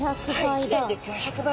１年で５００倍。